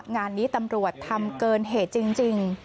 งานนี้ตำรวจทำเกินเหตุจริง